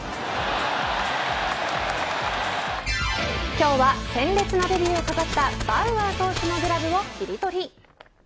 今日は鮮烈なデビューを飾ったバウアー投手のグラブをキリトリ。